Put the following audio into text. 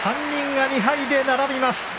３人が２敗で並びます。